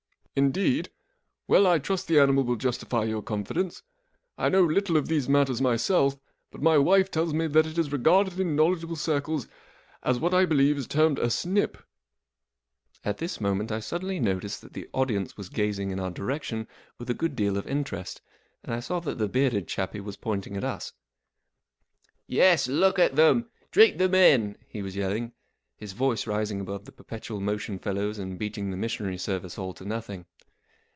" indeed ? Well. I trust the animal will justify your confidence. I know little of these matters myself, but my wife tells me that it is regarded in knowledgeable circles as what I believe is termed a snip." At this moment I suddenly noticed that P, G. Wodehoti/JJ MOm UNIVERSITY OF MICHIGAN Comrade Bingo 396 the audience was gazing in our direction with a good deal of interest, and I saw that the bearded chappie was pointing at us. 44 Yes, look at them ! Drink them in !" he was yelling, his voice rising above the perpetual motion fellow's and beating the missionary service all to nothing.